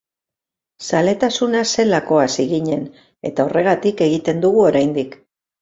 Zaletasuna zelako hasi ginen, eta horregatik egiten dugu oraindik.